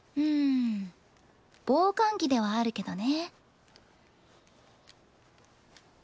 んん防寒着ではあるけどね。